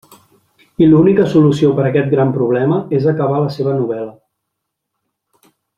I l'única solució per a aquest gran problema és acabar la seva novel·la.